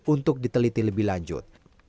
untuk diteliti lebih lanjut